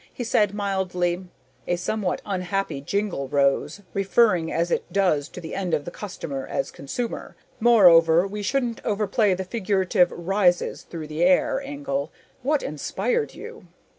He said mildly, "A somewhat unhappy jingle, Rose, referring as it does to the end of the customer as consumer. Moreover, we shouldn't overplay the figurative 'rises through the air' angle. What inspired you?"